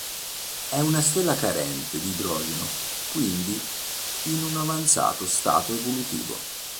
È una stella carente di idrogeno, quindi in un avanzato stato evolutivo.